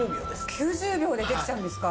９０秒でできちゃうんですか？